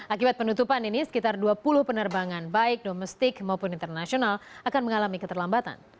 akibat penutupan ini sekitar dua puluh penerbangan baik domestik maupun internasional akan mengalami keterlambatan